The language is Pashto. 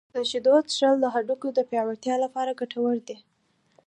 • د شیدو څښل د هډوکو د پیاوړتیا لپاره ګټور دي.